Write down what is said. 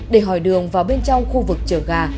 để hỏi đường vào bên trong khu vực chở gà